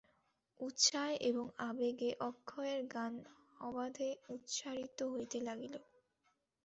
উৎসাহে এবং আবেগে অক্ষয়ের গান অবাধে উৎসারিত হইতে লাগিল।